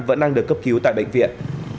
vẫn đang được cấp cứu tại bệnh viện